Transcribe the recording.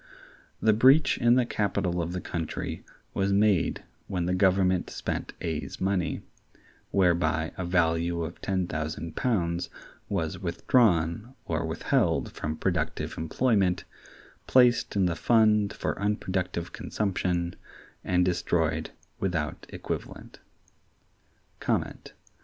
The breach in the capital of the country was made when the Government spent A's money: whereby a value of ten thousand pounds was withdrawn or withheld from productive employment, placed in the fund for unproductive consumption, and destroyed without equivalent.